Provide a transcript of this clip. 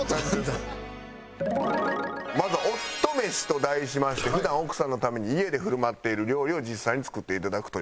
まずは夫メシと題しまして普段奥さんのために家で振る舞っている料理を実際に作っていただくという。